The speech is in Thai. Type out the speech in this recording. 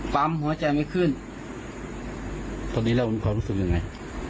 ปั๊มหัวใจไม่ขึ้นตอนนี้เรามีความรู้สึกยังไง